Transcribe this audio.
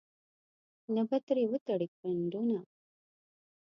نه به ترې وتړې پنډونه.